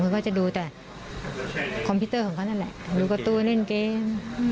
เขาก็จะดูแต่คอมพิวเตอร์ของเขานั่นแหละดูประตูเล่นเกม